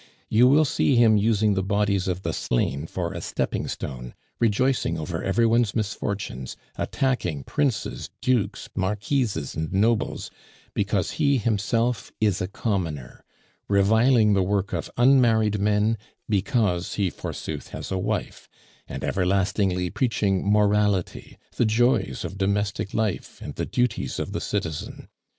You will see him using the bodies of the slain for a stepping stone, rejoicing over every one's misfortunes, attacking princes, dukes, marquises, and nobles, because he himself is a commoner; reviling the work of unmarried men because he forsooth has a wife; and everlastingly preaching morality, the joys of domestic life, and the duties of the citizen.